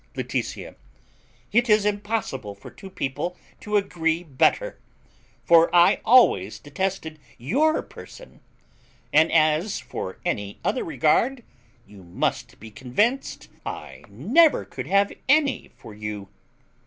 Laetitia. It is impossible for two people to agree better; for I always detested your person; and as for any other regard, you must be convinced I never could have any for you.